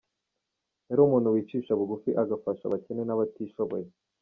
Yari umuntu wicisha bugufi agafasha abakene n’abatishoboye.